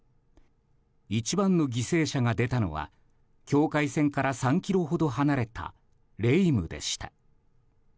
一番の犠牲者が出たのは境界線から３ｋｍほど離れたレイムでした。